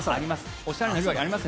おしゃれな料理があります